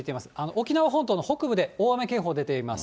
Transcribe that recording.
沖縄本島の北部で大雨警報出ています。